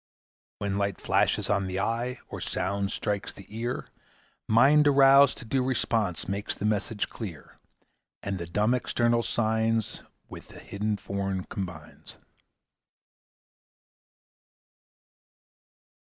When light flashes on the eye, Or sound strikes the ear, Mind aroused to due response Makes the message clear; And the dumb external signs With the hidden forms combines.